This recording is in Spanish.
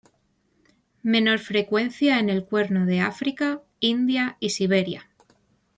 Menor frecuencia en el Cuerno de África, India y Siberia.